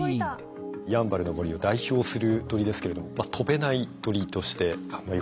やんばるの森を代表する鳥ですけれども飛べない鳥としてよく知られてますよね。